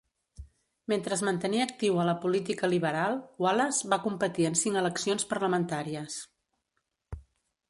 Mentre es mantenia actiu a la política liberal, Wallace va competir en cinc eleccions parlamentàries.